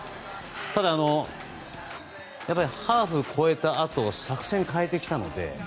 ただ、ハーフを超えたあとに作戦を変えてきたので。